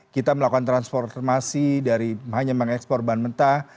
kita melakukan transformasi dari hanya mengekspor bahan mentah